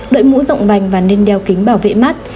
đội mũ rộng vành và nên đeo kính bảo vệ mắt